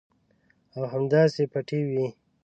او همداسې پټې وي.